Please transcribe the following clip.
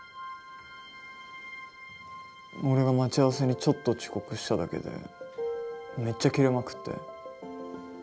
俺が待ち合わせにちょっと遅刻しただけでめっちゃキレまくって。